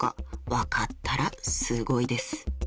［分かったらすごいです］